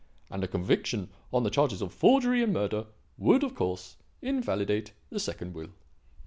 And a conviction on the charges of forgery and murder would, of course, invalidate the second will."